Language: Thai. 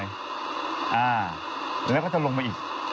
อย่างนั้นเขาจะลงมาอีก